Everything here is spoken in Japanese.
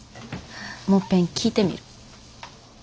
もっぺん聞いてみる。